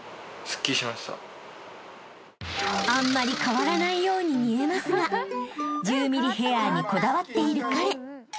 ［あんまり変わらないように見えますが１０ｍｍヘアにこだわっている彼］